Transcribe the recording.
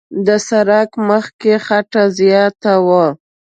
د سړک مخ کې خټه زیاته وه.